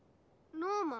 ノーマン！